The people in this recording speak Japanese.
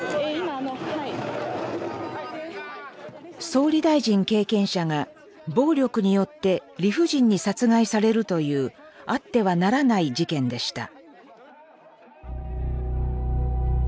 総理大臣経験者が暴力によって理不尽に殺害されるというあってはならない事件でした。